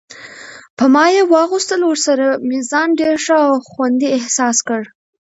په ما یې واغوستل، ورسره مې ځان ډېر ښه او خوندي احساس کړ.